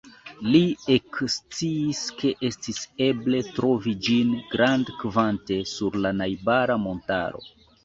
Li eksciis ke estis eble trovi ĝin grandkvante sur la najbara montaro.